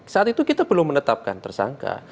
saya menetapkan tersangka